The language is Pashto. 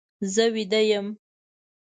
زه ویده یم.